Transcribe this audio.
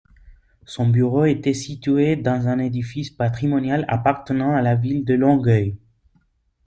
Son bureau était situé dans un édifice patrimonial appartenant à la Ville de Longueuil.